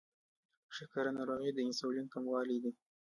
شکره ناروغي د انسولین کموالي ده.